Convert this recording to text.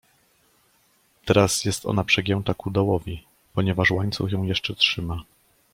Teraz jest ona przegięta ku dołowi, ponieważ łańcuch ją jeszcze trzyma.